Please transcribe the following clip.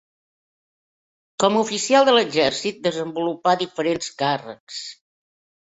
Com a oficial de l'exèrcit desenvolupà diferents càrrecs.